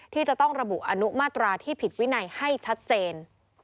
ที่จะต้องระบุอนุมาตราที่ผิดวินัยให้ชัดเจน